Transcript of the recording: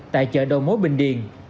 tại chợ đầu mối bình điền